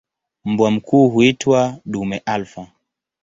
Mbwa mkuu huitwa "dume alfa".